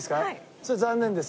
それ残念です。